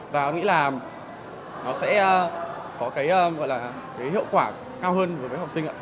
và nghĩ là nó sẽ có hiệu quả cao hơn với học sinh